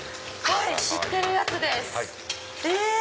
はい知ってるやつですえ！